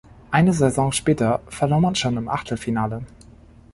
Eine Saison später verlor man schon im Achtelfinale.